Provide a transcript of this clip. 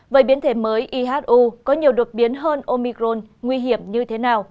về biến thể mới ihu có nhiều đột biến hơn omicron nguy hiểm như thế nào